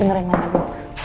dengar reina dulu